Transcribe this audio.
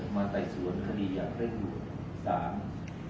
มาตรายสวนคดีอย่างเร่งหลวง